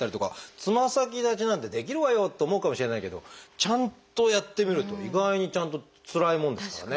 つま先立ちなんてできるわよと思うかもしれないけどちゃんとやってみると意外にちゃんとつらいもんですからね。